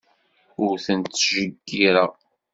Ur tent-ttjeyyireɣ.